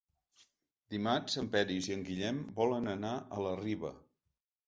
Dimarts en Peris i en Guillem volen anar a la Riba.